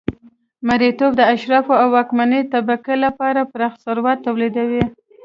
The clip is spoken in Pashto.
مریتوب د اشرافو او واکمنې طبقې لپاره پراخ ثروت تولیدوي